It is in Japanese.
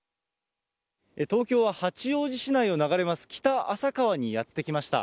東京は八王子市内を流れます、北浅川にやって来ました。